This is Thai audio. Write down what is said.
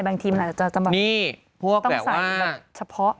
บางทีมันอาจจะแบบต้องใส่แบบเฉพาะ